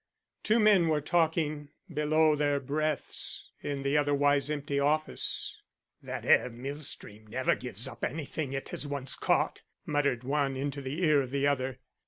Two men were talking below their breaths in the otherwise empty office. "That 'ere mill stream never gives up anything it has once caught," muttered one into the ear of the other.